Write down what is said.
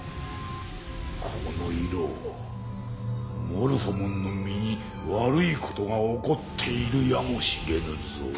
モルフォモンの身に悪いことが起こっているやもしれぬぞ。